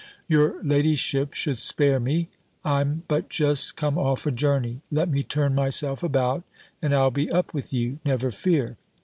"Your ladyship should spare me: I'm but just come off a journey. Let me turn myself about, and I'll be up with you, never fear.